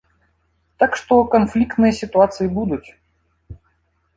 Так што канфліктныя сітуацыі будуць.